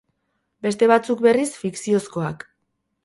Beste batzuk, berriz, fikziozkoak.